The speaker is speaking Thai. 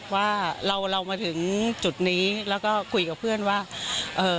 ว่าเราเรามาถึงจุดนี้แล้วก็คุยกับเพื่อนว่าเอ่อ